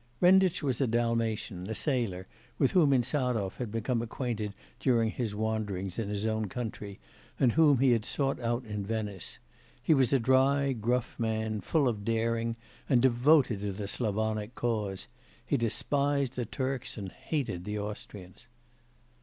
Renditch was a Dalmatian, a sailor, with whom Insarov had become acquainted during his wanderings in his own country, and whom he had sought out in Venice. He was a dry, gruff man, full of daring and devoted to the Slavonic cause. He despised the Turks and hated the Austrians.